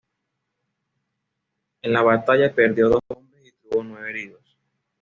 En la batalla perdió dos hombres y tuvo nueve heridos.